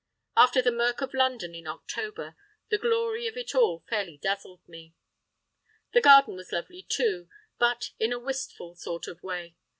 After the murk of London in October the glory of it all fairly dazzled me. The garden was lovely too, but in a wistful sort of way.